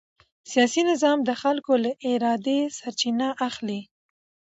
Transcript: سیاسي نظام د خلکو له ارادې سرچینه اخلي